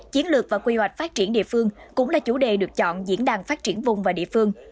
chiến lược và quy hoạch phát triển địa phương cũng là chủ đề được chọn diễn đàn phát triển vùng và địa phương